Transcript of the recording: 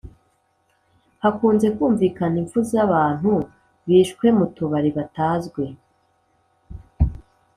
Hakunze kumvikana impfu za abantu biciwe mutubari batazwi